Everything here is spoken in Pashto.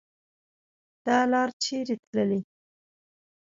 دا لار چیري تللي